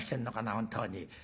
本当に。